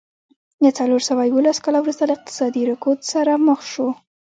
له څلور سوه یوولس کاله وروسته له اقتصادي رکود سره مخ شوه.